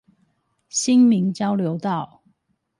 新民交流道